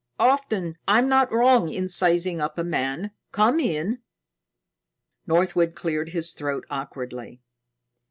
"Often I'm not wrong in sizing up my man. Come in." Northwood cleared his throat awkwardly.